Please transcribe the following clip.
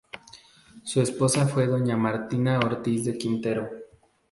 Su esposa fue doña Martina Ortiz de Quintero.